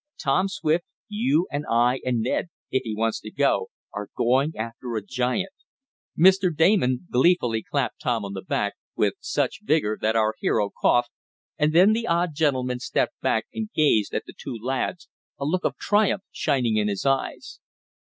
Tom Swift, you and I and Ned if he wants to go are going after a giant!" Mr. Damon gleefully clapped Tom on the back, with such vigor that our hero coughed, and then the odd gentleman stepped back and gazed at the two lads, a look of triumph shining in his eyes.